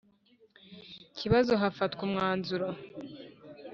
Kibazo hafatwa umwanzuro